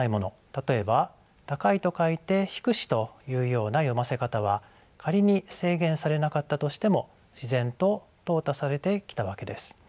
例えば「高」と書いて「ひくし」というような読ませ方は仮に制限されなかったとしても自然ととう汰されてきたわけです。